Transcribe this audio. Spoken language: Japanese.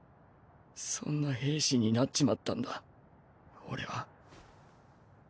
そんな兵士になっちまったんだ俺は。